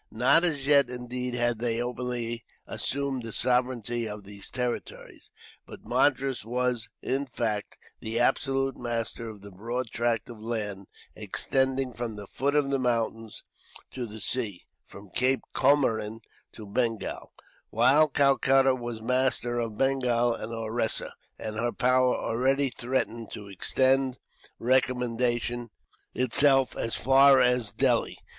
Not as yet, indeed, had they openly assumed the sovereignty of these territories; but Madras was, in fact, the absolute master of the broad tract of land extending from the foot of the mountains to the sea, from Cape Comorin to Bengal; while Calcutta was master of Bengal and Oressa, and her power already threatened to extend itself as far as Delhi.